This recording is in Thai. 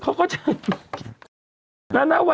อนครับ